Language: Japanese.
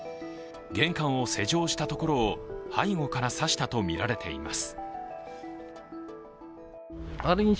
玄関を施錠したところを背後から刺したとみられています。